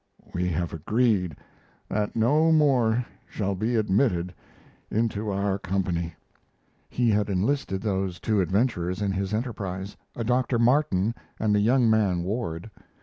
We have agreed that no more shall be admitted into our company. He had enlisted those two adventurers in his enterprise: a Doctor Martin and the young man, Ward.